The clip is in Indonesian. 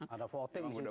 ada voting disitu